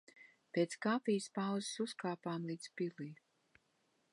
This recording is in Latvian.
Pēc kafijas pauzes uzkāpām līdz pilij.